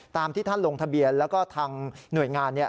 ที่ท่านลงทะเบียนแล้วก็ทางหน่วยงาน